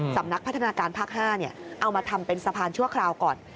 สำนักพัฒนาการภาค๕เอามาทำเป็นสะพานชั่วคราวก่อน